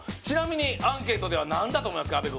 ちなみにアンケートでは何だと思いますか？